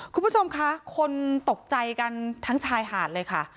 คุณผู้ชมคะคนตกใจกันทั้งชายหาดเลยค่ะ